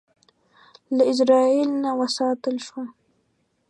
له ازرائیل نه وساتل شو.